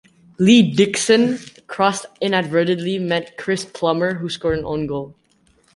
Lee Dixon's cross inadvertently met Chris Plummer who scored an own goal.